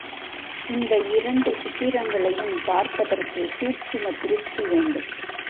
இந்த இரண்டு சித்திரங்களையும் பார்ப்பதற்கு சூட்சும திருஷ்டி வேண்டும்.